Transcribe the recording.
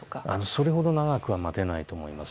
それほど長くは待てないと思います。